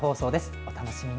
お楽しみに。